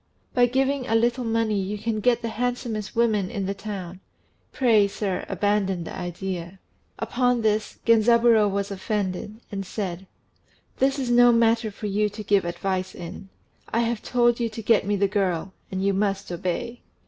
By giving a little money you can get the handsomest woman in the town. Pray, sir, abandon the idea." Upon this Genzaburô was offended, and said "This is no matter for you to give advice in. I have told you to get me the girl, and you must obey."